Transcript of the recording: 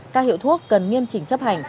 các hiệu thuốc cần nghiêm chỉnh chấp hành